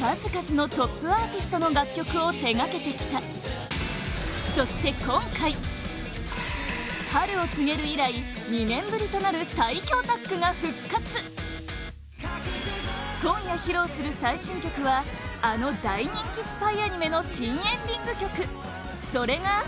数々のトップアーティストの楽曲を手掛けてきたそして今回「春を告げる」以来２年ぶりとなる最強タッグが復活今夜、披露する最新曲はあの大人気スパイアニメの新エンディング曲それが